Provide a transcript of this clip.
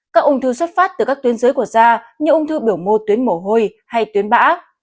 các ung thư xuất phát từ các tuyến dưới của da như ung thư biểu mô tuyến mồ hôi hay tuyến bã